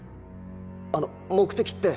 あの目的って。